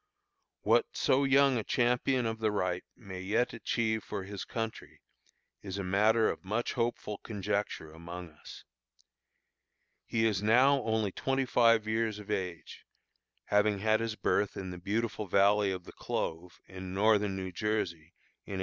What so young a champion of the right may yet achieve for his country, is a matter of much hopeful conjecture among us. He is now only twenty five years of age, having had his birth in the beautiful valley of the Clove, in Northern New Jersey, in 1838.